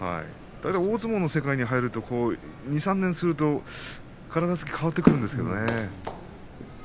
大相撲の世界に入ると２、３年すると、体つきが変わってくるんですけどね。